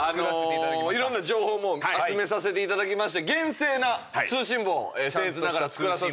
いろんな情報集めさせていただきまして厳正な通信簿をせんえつながら作らさせていただきました。